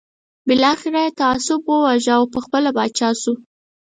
بالاخره یې طاهاسپ وواژه او پخپله پاچا شو.